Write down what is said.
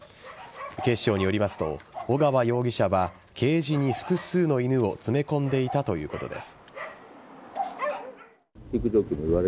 警視庁によりますと尾川容疑者はケージに複数の犬を詰め込んでいたということです。